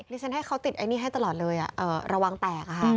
ฉันให้เขาติดไอ้นี่ให้ตลอดเลยระวังแตกค่ะ